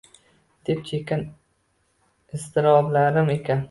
deb chekkan iztiroblarim ekan.